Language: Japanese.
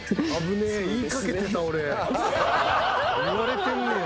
言われてんねや。